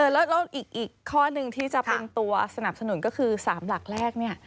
แล้วอีกข้อหนึ่งที่จะเป็นตัวสนับสนุนก็คือ๓หลักแรกเนี่ย